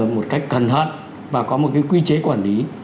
một cách cần hận và có một cái quy chế quản lý